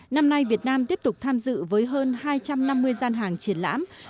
năm nay việt nam tiếp tục tham dự với hơn hai trăm năm mươi gian hàng triển lãm